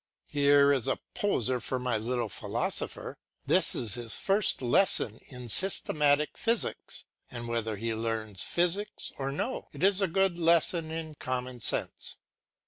Here is a poser for my little philosopher. This is his first lesson in systematic physics, and whether he learns physics or no it is a good lesson in common sense.